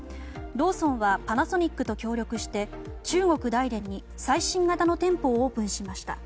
ローソンはパナソニックと協力して中国・大連に最新型の店舗をオープンしました。